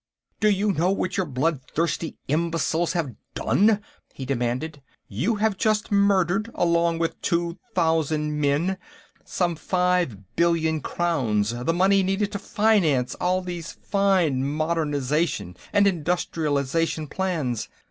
"Do you know what you blood thirsty imbeciles have done?" he demanded. "You have just murdered, along with two thousand men, some five billion crowns, the money needed to finance all these fine modernization and industrialization plans.